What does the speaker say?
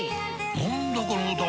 何だこの歌は！